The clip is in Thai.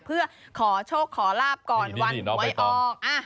เพื่อขอโชคขอลาบก่อนวันหวยออก